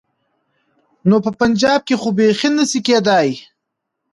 نو په پنجاب کې خو بيخي نه شي کېدای.